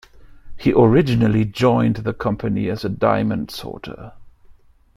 He originally joined the company as a diamond sorter.